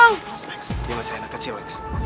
lex dia masih anak kecil lex